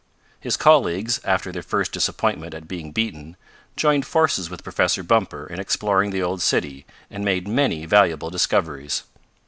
His colleagues, after their first disappointment at being beaten, joined forces with Professor Bumper in exploring the old city, and made many valuable discoveries.